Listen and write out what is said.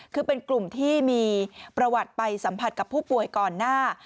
คือเป็นกลุ่มที่มีประวัติไปสัมผัสกับผู้ป่วยก่อนหน้า